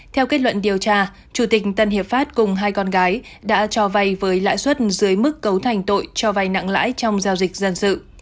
theo kết luận điều tra chủ tịch tân hiệp pháp cùng hai con gái đã cho vay với lãi suất dưới mức cấu thành tội cho vay nặng lãi trong giao dịch dân sự